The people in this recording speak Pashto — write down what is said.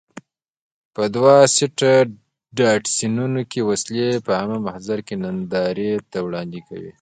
په دوه سیټه ډاټسنونو کې وسلې په عام محضر کې نندارې ته وړاندې کوي.